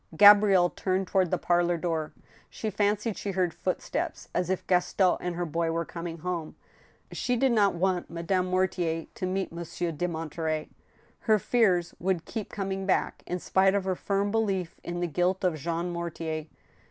Gabrielle turned toward the parlor door. She fancied she heard footsteps, as if Gaston and her boy were coming home. She did not want Madame Morticr to meet Monsieur de Monterey. Her 10 146 THE STEEL HAMMER. fears would keep coming back, in spite of her firm belief in the guilt of Jean Mortier.